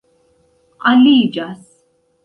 aliĝas